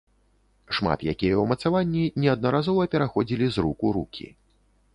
Шмат якія ўмацаванні неаднаразова пераходзілі з рук у рукі.